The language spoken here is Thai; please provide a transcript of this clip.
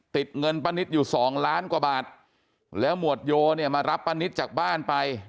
ติดเงินป้านิตอยู่สองล้านกว่าบาทแล้วหมวดโยเนี่ยมารับป้านิตจากบ้านไป